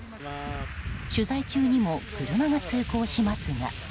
取材中にも車が通行しますが。